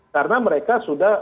karena mereka sudah